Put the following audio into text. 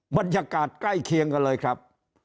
บรรยากาศใกล้เคียงกันเลยครับ